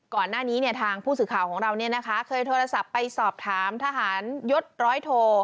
ก่อนหน้านี้เนี่ยทางผู้สื่อข่าวของเราเนี่ยนะคะเคยโทรศัพท์ไปสอบถามทหารยศร้อยโท